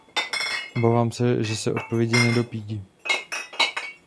Obávám se, že se odpovědi nedopídím.